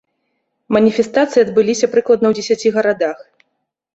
Маніфестацыі адбыліся прыкладна ў дзесяці гарадах.